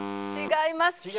違います。